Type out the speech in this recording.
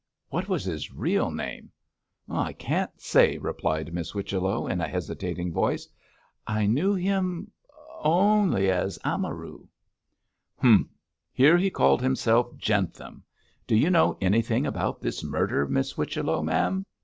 'What was his real name?' 'I can't say,' replied Miss Whichello, in a hesitating voice. 'I knew him only as Amaru.' 'Humph! here he called himself Jentham. Do you know anything about this murder, Miss Whichello, ma'am?'